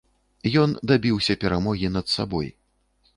Ён дабіўся перамогі над сабой.